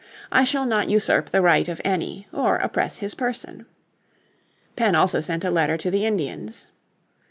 I shall not usurp the right of any, or oppress his person." Penn also sent a letter to the Indians.